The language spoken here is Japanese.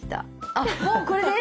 あっもうこれで⁉